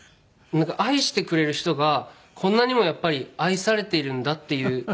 愛してくれる人がこんなにもやっぱり愛されているんだっていう。